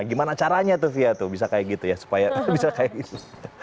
gimana caranya tuh fia tuh bisa kayak gitu ya supaya bisa kayak gitu